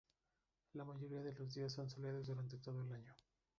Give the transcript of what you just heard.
La mayoría de los días son soleados durante todo el año.